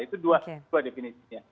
itu dua definisinya